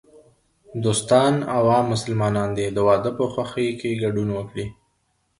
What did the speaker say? دوستان او عام مسلمانان دي د واده په خوښي کي ګډون وکړي.